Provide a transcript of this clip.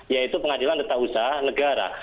yaitu pengadilan tata usaha negara